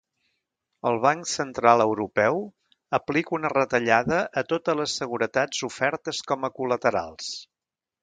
El Banc Central Europeu aplica una retallada a totes les seguretats ofertes com a col·laterals.